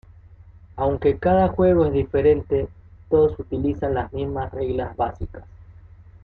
Aunque cada juego es diferente, todos utilizan las mismas reglas básicas.